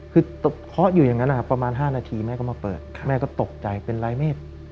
คือเคาะอยู่อย่างนั้นนะครับประมาณ๕นาทีแม่ก็มาเปิดแม่ก็ตกใจเป็นลายเมฆ